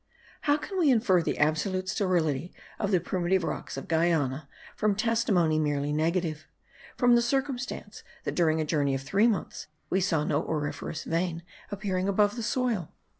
How can we infer the absolute sterility of the primitive rocks of Guiana from testimony merely negative, from the circumstance that during a journey of three months we saw no auriferous vein appearing above the soil?